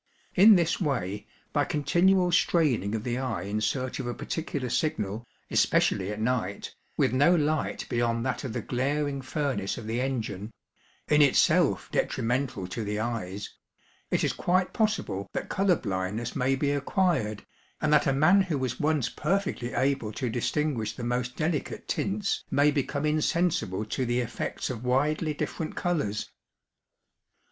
In this way, by continual straining of the eye in search of a particular signal, especially at night, with no light beyond that of the glaring furnace of the engine in itself detrimental to the eyes it is quite possible that colour blindness may be acquired, and that a man who was once perfectly able to distinguish the most delicate tints may become insensible to the effects of widely different colours.